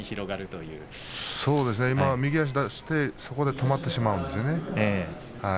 はい、右足出して今はそこで止まってしまうんですね。